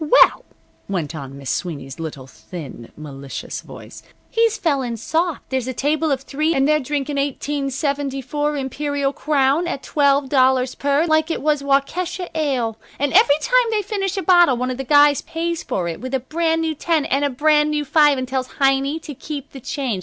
"Well," went on Miss Sweeney's little thin, malicious voice, "he's fell in soft. There's a table of three, and they're drinkin' 1874 Imperial Crown at twelve dollars per, like it was Waukesha ale. And every time they finish a bottle one of the guys pays for it with a brand new ten and a brand new five and tells Heiny to keep the change.